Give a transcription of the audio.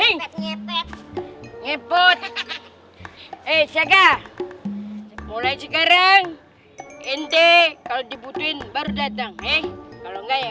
ngipet ngipet ngipet eh sega mulai sekarang inde kalau dibutuhin baru datang eh kalau